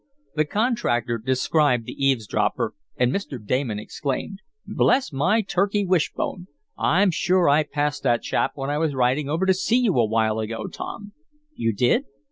The contractor described the eavesdropper, and Mr. Damon exclaimed: "Bless my turkey wish bone! I'm sure I passed that chap when I was riding over to see you a while ago, Tom." "You did?"